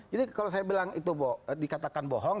jadi kalau saya bilang itu dikatakan bohong